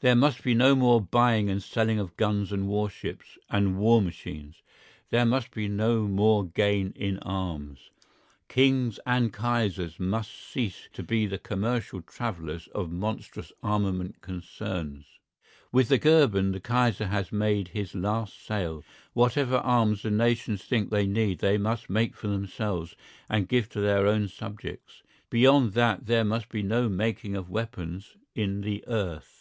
There must be no more buying and selling of guns and warships and war machines. There must be no more gain in arms. Kings and Kaisers must cease to be the commercial travellers of monstrous armament concerns. With the Goeben the Kaiser has made his last sale. Whatever arms the nations think they need they must make for themselves and give to their own subjects. Beyond that there must be no making of weapons in the earth.